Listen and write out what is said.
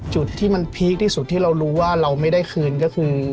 จุดที่มันพีคที่สุดที่เรารู้ว่าเราไม่ได้คืนก็คือ